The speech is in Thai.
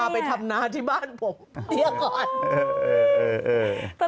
ไม่งั้นผมจะพาไปทำนาที่บ้านผมเดี๋ยวก่อน